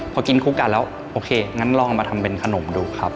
พอกินคู่กันแล้วโอเคงั้นลองมาทำเป็นขนมดูครับ